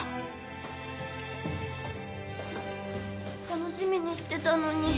楽しみにしてたのに。